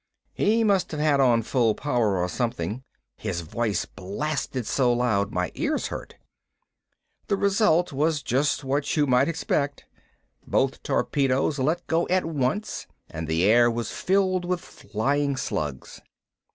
He must have had on full power or something, his voice blasted so loud my ears hurt. The result was just what you might expect. Both torpedoes let go at once and the air was filled with flying slugs.